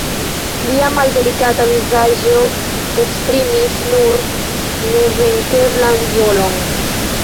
Lia maldelikata vizaĝo esprimis nur nevenkeblan volon.